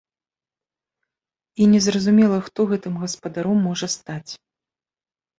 І незразумела, хто гэтым гаспадаром можа стаць.